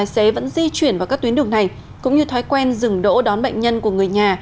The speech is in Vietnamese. sự di chuyển vào các tuyến đường này cũng như thói quen dừng đỗ đón bệnh nhân của người nhà